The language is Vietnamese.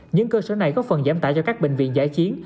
những cơ sở này góp phần giảm tải cho các bệnh viện giải chiến